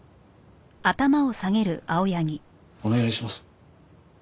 お願いします。